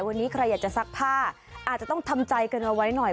วันนี้ใครอยากจะซักผ้าอาจจะต้องทำใจกันเอาไว้หน่อย